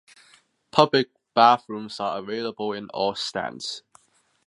Public bathrooms are available in all stands.